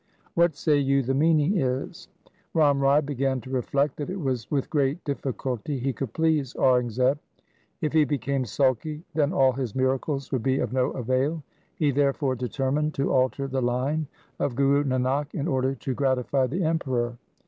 ' What say you the meaning is ?' RamRai began to reflect that it was with great diffi culty he could please Aurangzeb. If he became sulky, then all his miracles would be of no avail. He there fore determined to alter the line of Guru Nanak, in order to gratify the Emperor.